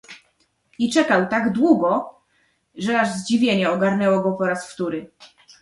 "I czekał tak długo, że aż zdziwienie ogarnęło go po raz wtóry."